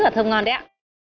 là thơm ngon đấy ạ